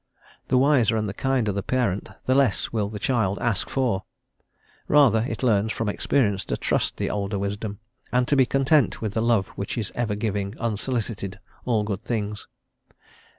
_ The wiser and the kinder the parent, the less will the child ask for; rather, it learns from experience to trust the older wisdom, and to be contented with the love which is ever giving, unsolicited, all good things.